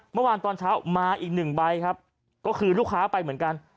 เมื่อวานตอนเช้ามาอีกหนึ่งใบครับก็คือลูกค้าไปเหมือนกัน